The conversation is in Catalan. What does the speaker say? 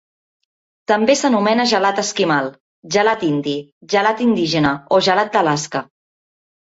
També s'anomena gelat esquimal, gelat indi, gelat indígena o gelat d'Alaska.